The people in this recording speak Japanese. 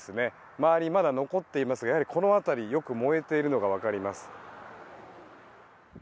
周り、まだ残っていますがやはりこの辺りよく燃えているのがわかります。